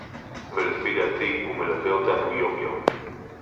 ולפי דעתי הוא מלווה אותנו יום-יום